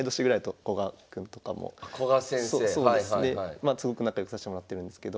まあすごく仲良くさせてもらってるんですけど。